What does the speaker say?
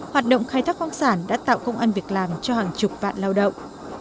hoạt động khai thác khoáng sản đã tạo công an việc làm cho hàng chục vạn lao động